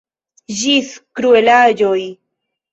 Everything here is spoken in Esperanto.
Ĝis kruelaĵoj.